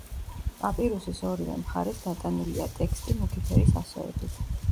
პაპირუსის ორივე მხარეს დატანილია ტექსტი მუქი ფერის ასოებით.